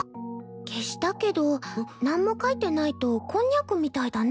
消したけどなんも書いてないとコンニャクみたいだね。